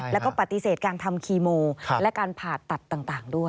แล้วก็ปฏิเสธการทำคีโมและการผ่าตัดต่างด้วย